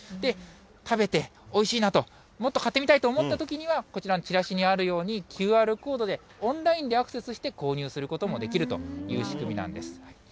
食べて、おいしいなと、もっと買ってみたいと思ったときには、こちらのチラシにあるように、ＱＲコードで、オンラインでアクセスして、購入することもできるという仕組みなんです。